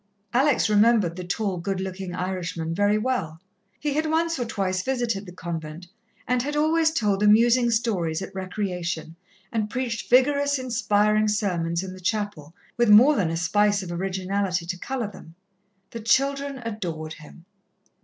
Alex remembered the tall, good looking Irishman very well. He had once or twice visited the convent, and had always told amusing stories at recreation, and preached vigorous, inspiring sermons in the chapel, with more than a spice of originality to colour them. The children adored him.